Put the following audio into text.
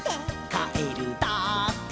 「かえるだって」